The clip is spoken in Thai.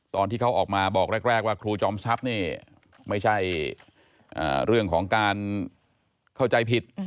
ตอนที่เขาออกมาบอกแรกว่าครูจอมทรัพย์นี่ไม่ใช่เรื่องของการเข้าใจผิด